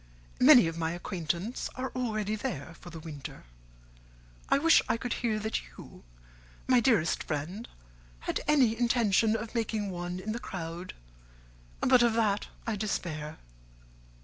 Many of my acquaintance are already there for the winter: I wish I could hear that you, my dearest friend, had any intention of making one in the crowd, but of that I despair.